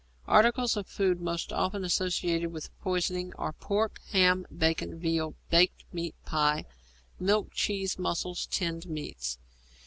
Articles of food most often associated with poisoning are pork, ham, bacon, veal, baked meat pie, milk, cheese, mussels, tinned meats.